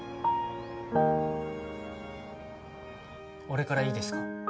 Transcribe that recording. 俺からいいですか？